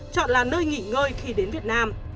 chọn là nơi nghỉ ngơi khi đến việt nam